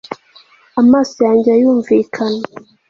amaso yanjye yunvikana